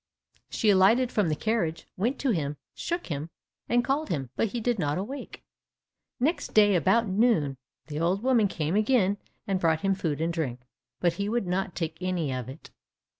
She alighted from the carriage, went to him, shook him, and called him, but he did not awake. Next day about noon, the old woman came again and brought him food and drink, but he would not take any of it.